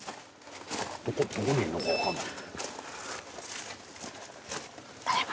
どこにいるのかわからない。